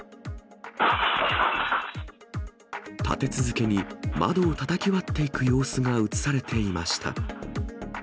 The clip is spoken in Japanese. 立て続けに窓をたたき割っていく様子が写されていました。